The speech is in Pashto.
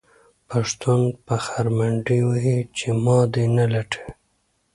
پښتون په خر منډې وهې چې ما دې نه لټوي.